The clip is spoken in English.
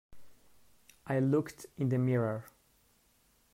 I looked in the mirror.